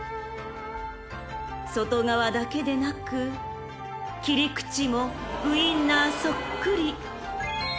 ［外側だけでなく切り口もウインナーそっくり］